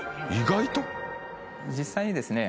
実際にですね